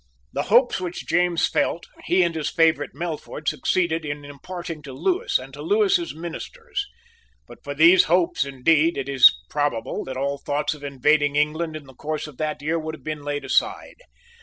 The hopes which James felt, he and his favourite Melfort succeeded in imparting to Lewis and to Lewis's ministers. But for those hopes, indeed, it is probable that all thoughts of invading England in the course of that year would have been laid aside.